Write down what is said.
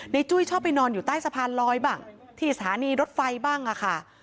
จุ้ยชอบไปนอนอยู่ใต้สะพานลอยบ้างที่สถานีรถไฟบ้างค่ะ